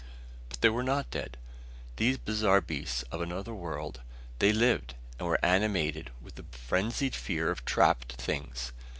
But they were not dead, these bizarre beasts of another world. They lived, and were animated with the frenzied fear of trapped things.